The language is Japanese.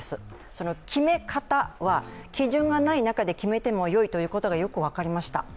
その決め方は、基準がない中で決めてもよいということがよく分かりました。